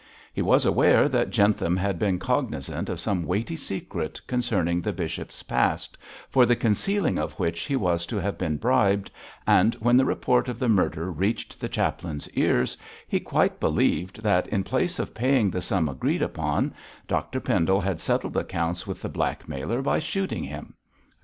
He was aware that Jentham had been cognisant of some weighty secret concerning the bishop's past, for the concealing of which he was to have been bribed, and when the report of the murder reached the chaplain's ears, he quite believed that in place of paying the sum agreed upon, Dr Pendle had settled accounts with the blackmailer by shooting him.